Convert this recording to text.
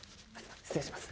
失礼します。